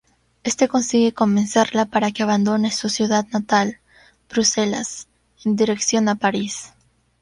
Este consigue convencerla para que abandone su ciudad natal, Bruselas, en dirección a París.